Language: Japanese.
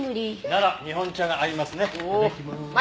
なら日本茶が合いますね。